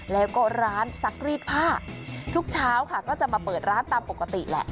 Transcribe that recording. แล้วก็ร้านซักรีดผ้าทุกเช้าค่ะก็จะมาเปิดร้านตามปกติแหละ